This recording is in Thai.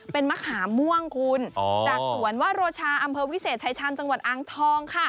เป็นมะขามม่วงคุณจากสวนวโรชาอำเภอวิเศษชายชาญจังหวัดอ่างทองค่ะ